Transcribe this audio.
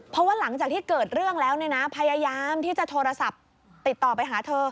เพราะว่าหลังจากที่เกิดเรื่องแล้วเนี่ยนะพยายามที่จะโทรศัพท์ติดต่อไปหาเธอ